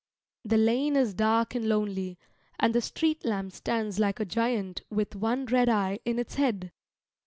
The lane is dark and lonely, and the street lamp stands like a giant with one red eye in its head.